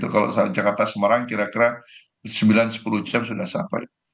kalau jakarta semarang kira kira sembilan sepuluh jam sudah sampai